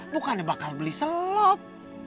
bukannya bakal beli selop